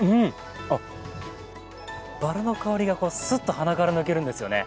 バラの香りがすっと鼻から抜けるんですよね。